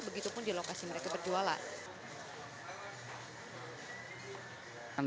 begitu pun di lokasi mereka berjualan